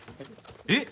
えっ！？